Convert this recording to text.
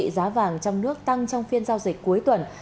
giá vàng trong nước tăng trong phiên giao dịch cuối tuần